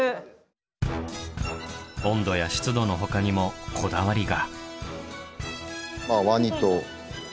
温度や湿度のほかにもこだわりが。